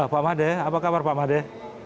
pak made apa kabar pak made